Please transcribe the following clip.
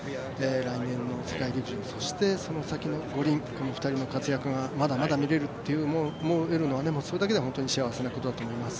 来年の世界陸上そして、その先の五輪この２人の活躍がまだまだ見られると思えるのがそれだけで本当に幸せなことと思います。